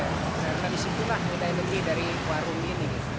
karena disitulah ada yang lebih dari warung ini